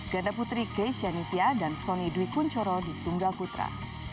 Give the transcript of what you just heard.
ganda putri gysia nitya dan sony dwi kunchoro di tunggal putra